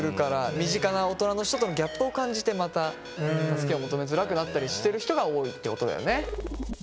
身近な大人の人とのギャップを感じてまた助けを求めづらくなったりしてる人が多いってことだよね。